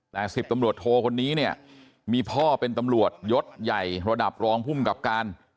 แต่๑๐ตำรวจโทคนนี้เนี่ยมีพ่อเป็นตำรวจยศใหญ่ระดับรองภูมิกับการ